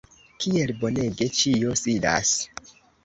kiel bonege ĉio sidas!